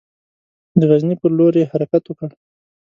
د غزني پر لور یې حرکت وکړ.